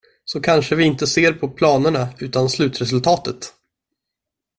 Så kanske vi inte ser på planerna, utan slutresultatet.